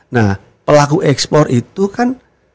nah pelaku ekspor itu kan